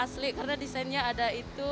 asli karena desainnya ada itu